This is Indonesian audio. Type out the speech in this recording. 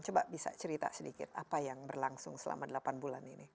coba bisa cerita sedikit apa yang berlangsung selama delapan bulan ini